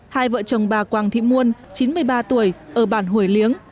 hai vợ chồng bà quang thị muôn chín mươi ba tuổi ở bản hủy liếng